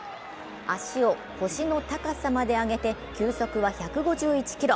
足を腰の高さまで上げて球速は１５１キロ。